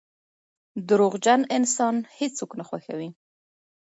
• دروغجن انسان هیڅوک نه خوښوي.